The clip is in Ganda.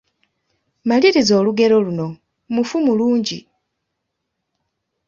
Maliriza olugero luno, Mufu mulungi, ……